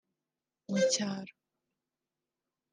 mu cyaro